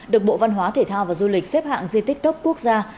được bộ văn hóa thể thao và du lịch xếp hạng di tích cấp quốc gia